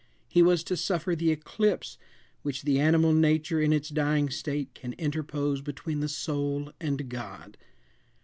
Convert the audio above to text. He was to suffer the eclipse which the animal nature in its dying state can interpose between the soul and God.